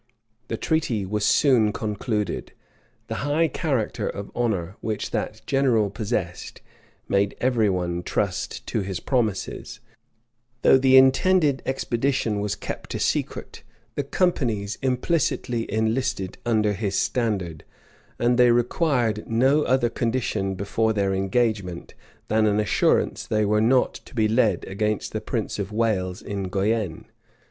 The treaty was soon concluded. The high character of honor which that general possessed, made every one trust to his promises: though the intended expedition was kept a secret, the "companies" implicitly enlisted under his standard; and they required no other condition before their engagement, than an assurance that they were not to be led against the prince of Wales in Guienne.